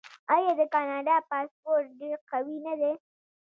آیا د کاناډا پاسپورت ډیر قوي نه دی؟